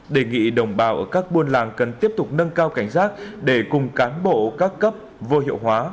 đề nghị đồng bào ở các buôn làng cần tiếp tục nâng cao cảnh giác để cùng cán bộ các cấp vô hiệu hóa